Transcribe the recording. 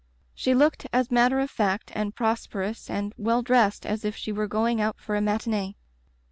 She looked as matter of fact and prosperous and well dressed as if she were going out for i matinee.